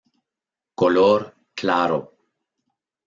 Color claro.